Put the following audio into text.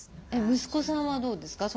息子さんはどうですか？